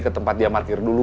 ke tempat dia parkir dulu